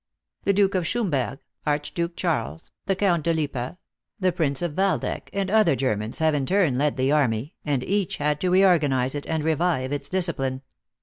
The Duke of Schomberg, Archduke Charles, the Count de Lippe the Prince of Waldeck, and other Germans, have in 270 THE ACTRESS IN HIGH LIFE. turn led the army, and each had to reorganize it, and revive its discipline.